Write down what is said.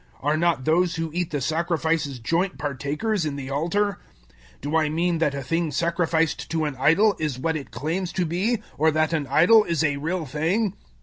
Are not those who eat the sacrifices joint partakers in the altar? 010:019 Do I mean that a thing sacrificed to an idol is what it claims to be, or that an idol is a real thing?